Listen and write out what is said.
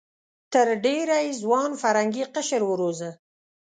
تر ډېره یې ځوان فرهنګي قشر وروزه.